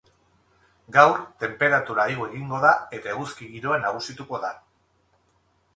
Gaur tenperatura igo egingo da eta eguzki giroa nagusituko da.